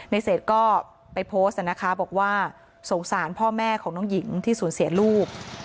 ในเศษก็ไปโพสต์นะคะบอกว่าสงสารพ่อแม่ของน้องหญิงที่สูญเสียลูก